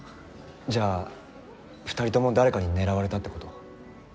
じゃあ２人とも誰かに狙われたって事？